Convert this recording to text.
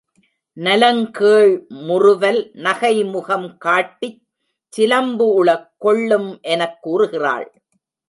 நலங்கேழ் முறுவல் நகைமுகம் காட்டிச் சிலம்பு உள கொள்ளும் எனக் கூறுகிறாள்.